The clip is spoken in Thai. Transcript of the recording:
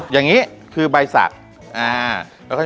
อย่างนี้คือใบสัก